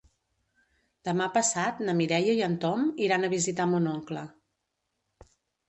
Demà passat na Mireia i en Tom iran a visitar mon oncle.